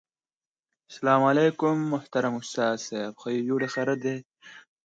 لکه پانوس لکه لمبه لکه محفل د ښکلیو